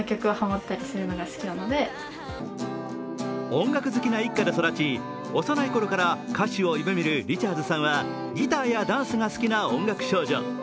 音楽好きな一家で育ち幼いころから歌手を夢見るリチャーズさんはギターやダンスが好きな音楽少女。